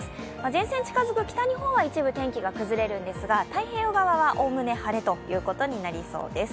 前線が近づくと北日本一部天気が崩れるんですが、太平洋側はおおむね晴れとなりそうです。